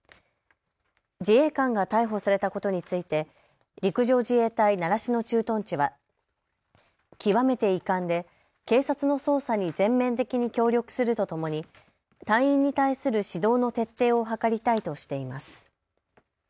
自衛官が逮捕されたことについて陸上自衛隊習志野駐屯地は極めて遺憾で警察の捜査に全面的に協力するとともに隊員に対する指導の徹底を図りたいとしています。